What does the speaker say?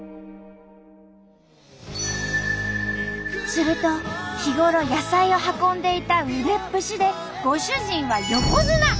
すると日頃野菜を運んでいた腕っぷしでご主人は横綱！